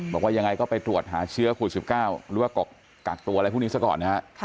บอกว่ายังไงก็ไปตรวจหาเชื้อโควิด๑๙หรือว่ากักตัวอะไรพวกนี้ซะก่อนนะฮะ